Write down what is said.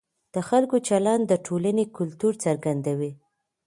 د خلکو چلند د ټولنې کلتور څرګندوي.